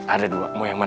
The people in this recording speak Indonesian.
ada dua mau yang mana